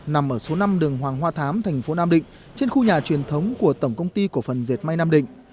nằm ở số năm đường hoàng hoa thám thành phố nam định trên khu nhà truyền thống của tổng công ty cổ phần dệt may nam định